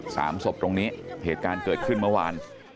สามศพตรงนี้เหตุการณ์เกิดขึ้นเมื่อวาน